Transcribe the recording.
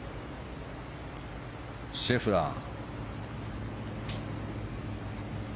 シェフラー。